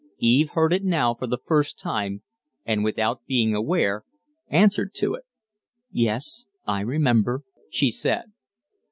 Eve heard it now for the first time, and, without being aware, answered to it. "Yes, I remember," she said.